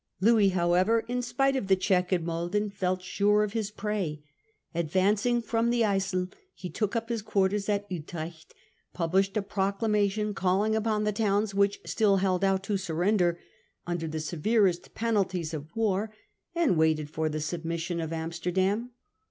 Louis however, in spite of the check at Muyden, felt sure of his prey. Advancing from the Yssel, he took up his quarters at Utrecht, published a proclamation calling upon the towns which still held out to surrender, under the severest penalties of war, and waited for the submis sion of Amsterdam.